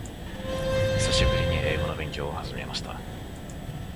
久しぶりに英語の勉強を始めました。